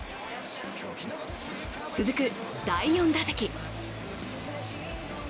続く第４打席。